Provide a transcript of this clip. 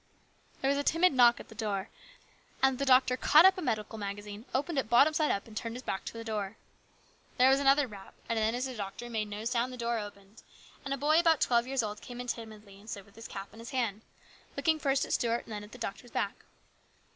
There was a timid knock at the door, and the doctor caught up a medical magazine, opened it bottom side up, and turned his back to the door. There was another rap, and then as the doctor made no sound the door opened, and a boy about twelve years old came in timidly and stood with his cap in his hand, looking first at Stuart and then at the doctor's back.